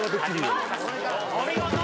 お見事。